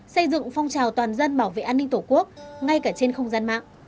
xây dựng phong trào toàn dân bảo vệ an ninh tổ quốc ngay cả trên không gian mạng